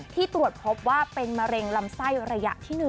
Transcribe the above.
ตรวจพบว่าเป็นมะเร็งลำไส้ระยะที่๑